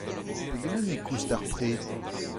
Pegement e koust ar pred ?